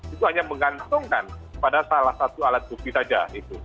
itu hanya menggantungkan pada salah satu alat bukti saja